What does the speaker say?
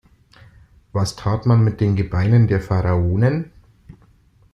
Was tat man mit den Gebeinen der Pharaonen?